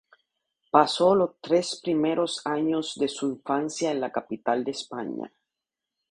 Pasó los tres primeros años de su infancia en la capital de España.